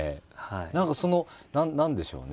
何か何でしょうね